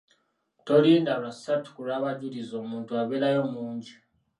Tolinda lwa ssatu ku lw'abajulizi omuntu abeerayo mungi.